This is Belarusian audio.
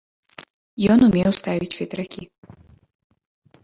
Ён умеў ставіць ветракі.